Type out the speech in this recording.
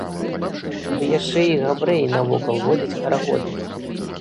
Ды яшчэ і габрэі навокал водзяць карагоды!